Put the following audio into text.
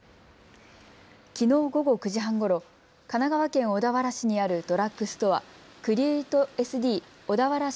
きのう午後９時半ごろ、神奈川県小田原市にあるドラッグストア、クリエイトエス・ディー小田原